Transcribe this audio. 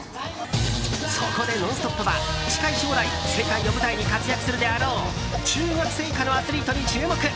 そこで「ノンストップ！」は近い将来、世界を舞台に活躍するであろう中学生以下のアスリートに注目。